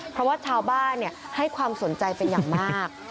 เพราะว่าชาวบ้านให้ความสนใจเป็นอย่างมาก